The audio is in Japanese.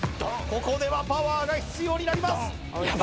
ここではパワーが必要になります